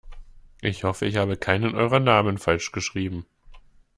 Ich hoffe, ich habe keinen eurer Namen falsch geschrieben.